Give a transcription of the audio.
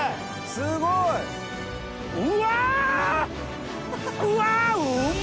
すごい！うわ！うわ！